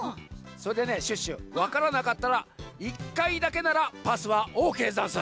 それでねシュッシュわからなかったら１かいだけならパスはオーケーざんす。